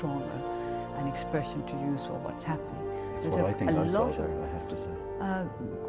dan terlalu banyak ekspresi untuk menggunakan apa yang terjadi